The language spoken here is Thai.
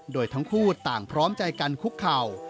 โดยทั้งคู่ต่างพร้อมใจกันคุกเข่า